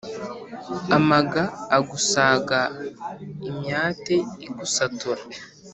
Amaga agusaga imyate igusatura